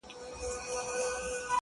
د ژوند خوارۍ كي يك تنها پرېږدې،